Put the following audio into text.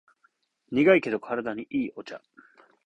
苦いけど体にいいお茶